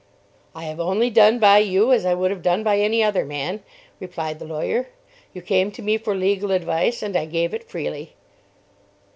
"I have only done by you as I would have done by any other man," replied the lawyer. "You came to me for legal advice, and I gave it freely."